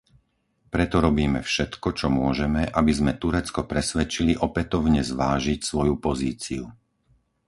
Preto robíme všetko, čo môžeme, aby sme Turecko presvedčili opätovne zvážiť svoju pozíciu.